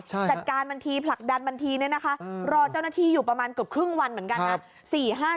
จัดการบัญธีผลักดันบัญธีรอเจ้าหน้าที่อยู่ประมาณกับครึ่งวันเหมือนกัน